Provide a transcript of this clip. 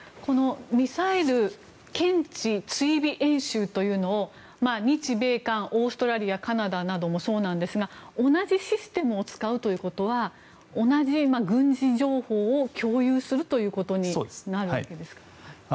ミサイル検知・追尾演習というのを日米韓、オーストラリアカナダなどもそうなんですが同じシステムを使うということは同じ軍事情報を共有するということになるわけですか？